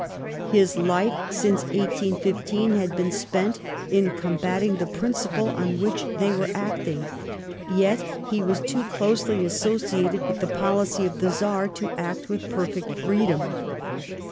His life, since 1815, had been spent in combating the princi})le on which they were acting . Yet he was too closely associated with the policy of the Czar to act with perfect freedom.